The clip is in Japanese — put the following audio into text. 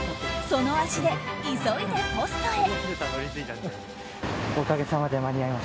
その足で急いでポストへ。